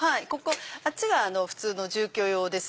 あっちが普通の住居用です。